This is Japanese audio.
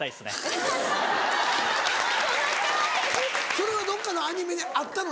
それはどっかのアニメにあったの？